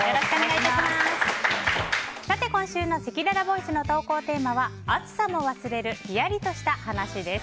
今週のせきららボイスの投稿テーマは暑さも忘れるヒヤリとした話です。